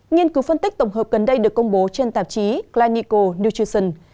nhiên cứu phân tích tổng hợp gần đây được công bố trên tạp chí clinical nutrition